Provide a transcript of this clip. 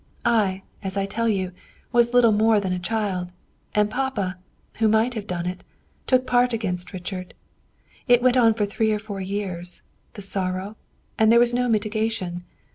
I, as I tell you, was little more than a child; and papa, who might have done it, took part against Richard. It went on for three or four years, the sorrow, and there was no mitigation.